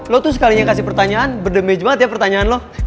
lo tuh sekalinya kasih pertanyaan berdemi banget ya pertanyaan lo